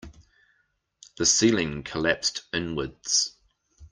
The ceiling collapsed inwards.